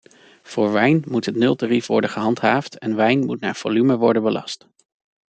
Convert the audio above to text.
Voor wijn moet het nultarief worden gehandhaafd en wijn moet naar volume worden belast.